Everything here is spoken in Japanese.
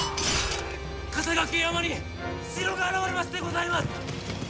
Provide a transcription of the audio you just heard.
笠懸山に城が現れましてございます！